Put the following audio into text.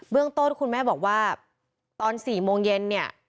เรื่องต้นคุณแม่บอกว่าตอน๔โมงเย็นเนี่ย